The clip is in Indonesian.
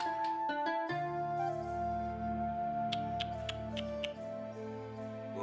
cuk cuk cuk cuk